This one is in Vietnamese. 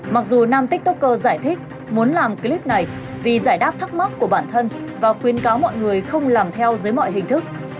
mặc dù nam tiktoker giải thích muốn làm clip này vì giải đáp thắc mắc của bản thân và khuyên cáo mọi người không làm theo dưới mọi hình thức